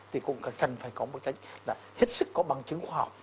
thì cũng cần phải có một cái là hết sức có bằng chứng khoa học